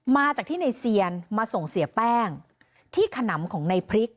มาจากที่ในเซียนมาส่งเสียแป้งที่ขนำของในพริก